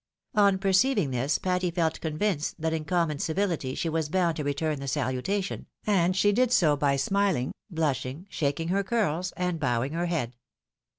On perceiving this, Patty felt convinced that in common civility she was hound to return the salutation ; and she did so by smiHng, blushing, shaking her curls, and bowing her head.